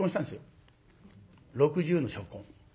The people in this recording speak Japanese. ６０の初婚。